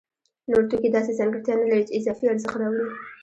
نور توکي داسې ځانګړتیا نلري چې اضافي ارزښت راوړي